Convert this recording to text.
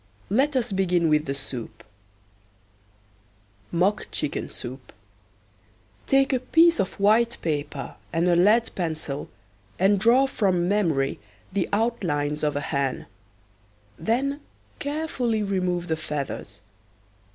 Let us begin with the soup: MOCK CHICKEN SOUP. Take a piece of white paper and a lead pencil and draw from memory the outlines of a hen. Then carefully remove the feathers.